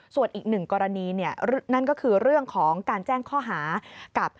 ส่วนอีกหนึ่งกรณีนั่นก็คือเรื่องของการแจ้งข้อหากับ